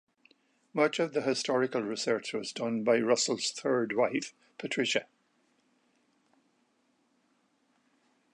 Much of the historical research was done by Russell's third wife Patricia.